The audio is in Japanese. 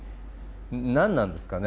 何なんですかね